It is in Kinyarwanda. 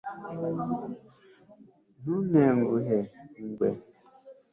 ntuntenguhe (ingwe